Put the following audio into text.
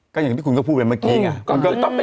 ก็อย่างที่คุณก็พูดไปเมื่อกี้ไง